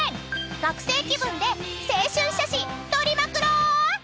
［学生気分で青春写真撮りまくろう！］